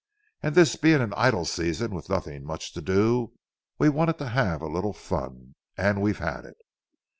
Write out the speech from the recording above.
And this being an idle season with nothing much to do, we wanted to have a little fun. And we've had it.